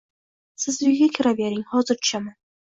Siz uyga kiravering! Hozir tushaman.